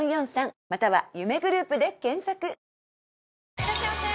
いらっしゃいませ！